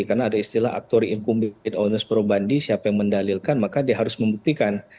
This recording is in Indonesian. karena ada istilah aktori hukum binnis probandi siapa yang mendalilkan maka dia harus membuktikan